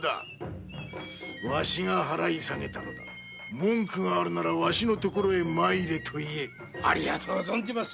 文句があるならわしの所へ参れと言えありがとう存じます。